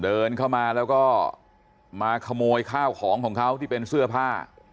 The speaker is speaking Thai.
เดินเข้ามาแล้วก็มาขโมยข้าวของของเขาที่เป็นเสื้อผ้า